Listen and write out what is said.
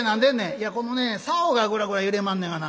「いやこのねさおがグラグラ揺れまんねやがな。